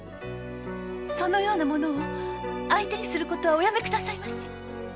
そのような者を相手にすることはおやめくださいまし！